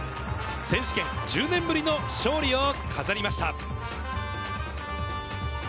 選手権１０年ぶりの勝利を飾りました。